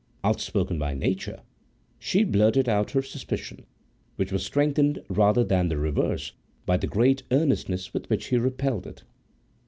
Outspoken by nature, she blurted out her suspicion, which was strengthened rather than the reverse by the great earnestness with which he repelled it.